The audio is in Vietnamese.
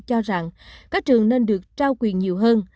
cho rằng các trường nên được trao quyền nhiều hơn